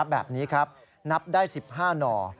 แบบนี้ครับนับได้๑๕หน่อ